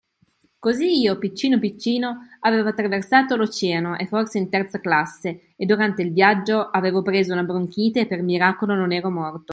Così io, piccino piccino, avevo traversato l'Oceano, e forse in terza classe, e durante il viaggio avevo preso una bronchite e per miracolo non ero morto.